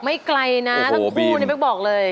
ไม่ไกลนะทั้งคู่นี่เป๊กบอกเลย